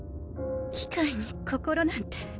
機械に心なんて。